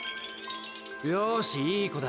よしいいこだ。